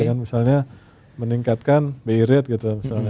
dengan misalnya meningkatkan bi rate gitu misalnya